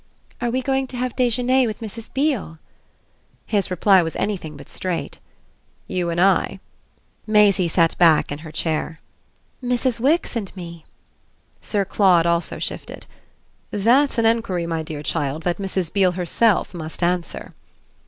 "Are we going to have déjeuner with Mrs. Beale?" His reply was anything but straight. "You and I?" Maisie sat back in her chair. "Mrs. Wix and me." Sir Claude also shifted. "That's an enquiry, my dear child, that Mrs. Beale herself must answer."